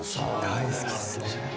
大好きっすね。